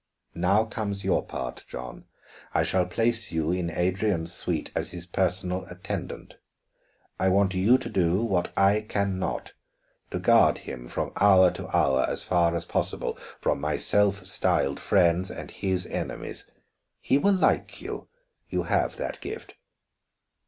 Now comes your part, John. I shall place you in Adrian's suite as his personal attendant. I want you to do what I can not; to guard him from hour to hour, as far as possible, from my self styled friends and his enemies. He will like you, you have that gift."